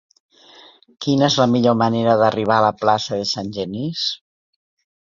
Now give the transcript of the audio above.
Quina és la millor manera d'arribar a la plaça de Sant Genís?